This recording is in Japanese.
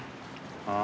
ああ。